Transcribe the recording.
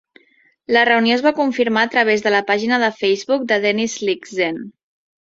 La reunió es va confirmar a través de la pàgina de Facebook de Dennis Lyxzen.